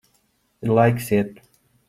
Ir laiks iet.